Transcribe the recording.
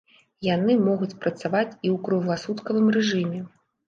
Яны могуць працаваць і ў кругласуткавым рэжыме.